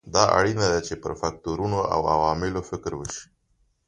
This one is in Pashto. دا اړینه ده چې پر فکټورونو او عواملو فکر وشي.